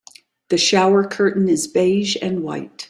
The shower curtain is beige and white.